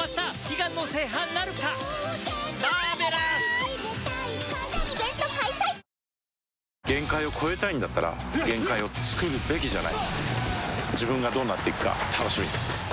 うちのごはんキッコーマン限界を越えたいんだったら限界をつくるべきじゃない自分がどうなっていくか楽しみです